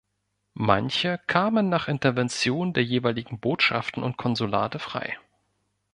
Manche kamen nach Intervention der jeweiligen Botschaften und Konsulate frei.